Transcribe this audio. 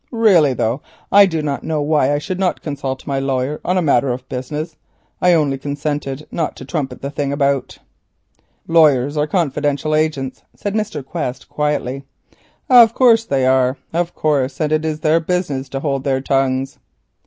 Really, though, I do not know why I should not consult my lawyer on a matter of business; I only consented not to trumpet the thing about." "Lawyers are confidential agents," said Mr. Quest quietly. "Of course they are. Of course, and it is their business to hold their tongues.